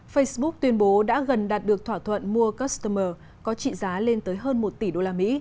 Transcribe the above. facebook tuyên bố đã gần đạt được thỏa thuận mua customer có trị giá lên tới hơn một tỷ usd